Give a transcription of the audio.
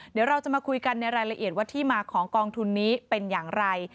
เดี๋ยวเราจะมาคุยกันในรายละเอียดว่าที่มาของกองทุนนี้เป็นอย่างไร